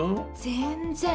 全然。